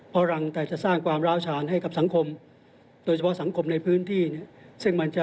เพราะหลังแต่ที่จะสร้างความร้าวชาญให้กับสังคม